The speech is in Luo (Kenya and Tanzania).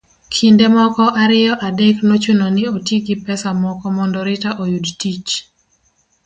kinde moko ariyo adek nochuno ni oti gi pesa moko mondo Rita oyud tich